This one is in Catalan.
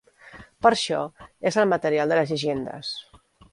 Per això és el material de les llegendes.